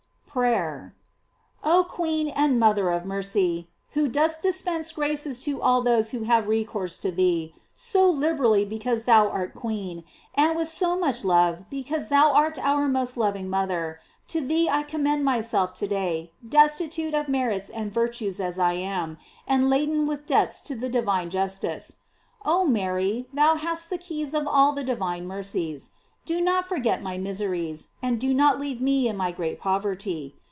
PRAYER. Oh Queen and Mother of mercy! who dost dis pense graces to all those who have recourse to thee, so liberally because thou art queen, and With so much love because thou art our most GLOBtES OF MARY. loying mother; to thee I commend myself to day, destitute of merits and virtues as I am, and laden with debts to the divine justice. Oht Mary, thou hast the keys of all the divine mer cies, do not forget my miseries, and do not leave me in my great poverty.